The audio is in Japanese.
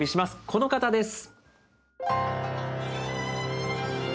この方です。